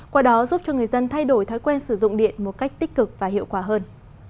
qua đó giúp cho người dân thay đổi thói quen sử dụng điện một cách tích cực và hiệu quả hơn